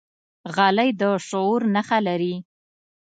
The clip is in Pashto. غلی، د شعور نښه لري.